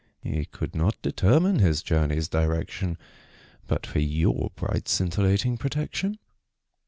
He could not determine his journey's direction But for your bright scintillating protection.